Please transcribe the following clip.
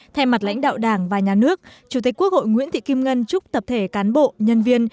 thay mặt lãnh đạo đảng và nhà nước chủ tịch quốc hội nguyễn thị kim ngân chúc tập thể cán bộ nhân viên